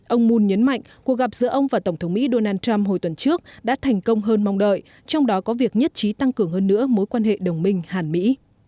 ông moon nhấn mạnh cuộc gặp giữa ông và tổng thống mỹ donald trump hồi tuần trước đã thành công hơn mong đợi trong đó có việc nhất trí tăng cường hơn nữa mối quan hệ đồng minh hàn mỹ